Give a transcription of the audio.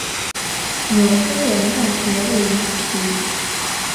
纽黑文大学位于此地。